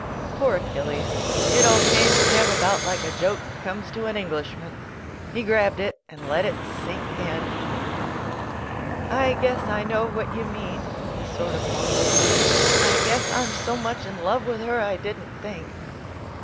Poor Achilles, it all came to him about like a joke comes to an Englishman. He grabbed it and let it sink in. "I guess I know what you mean," he sort of mumbles. "I guess I'm so much in love with her I didn't think."